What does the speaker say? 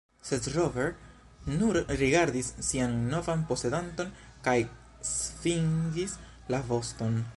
Sed Rover nur rigardis sian novan posedanton kaj svingis la voston.